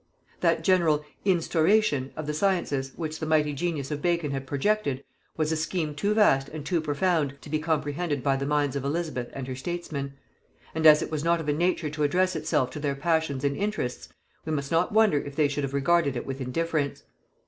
That general "Instauration" of the sciences which the mighty genius of Bacon had projected, was a scheme too vast and too profound to be comprehended by the minds of Elizabeth and her statesmen; and as it was not of a nature to address itself to their passions and interests, we must not wonder if they should have regarded it with indifference.